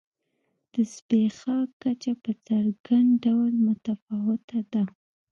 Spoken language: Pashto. د زبېښاک کچه په څرګند ډول متفاوته ده.